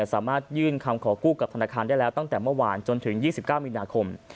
สามารถยื่นคำขอกู้กับธนาคารได้แล้วตั้งแต่เมื่อวานจนถึง๒๙มีนาคม